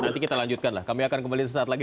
nanti kita lanjutkan lah kami akan kembali